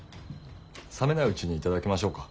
冷めないうちに頂きましょうか。